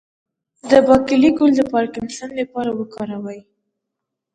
د باقلي ګل د پارکنسن لپاره وکاروئ